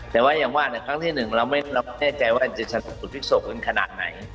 แต่ว่าอย่างว่าครั้งที่หนึ่งเราไม่แน่ใจว่าจะสุดภิกษกกันขนาดไหน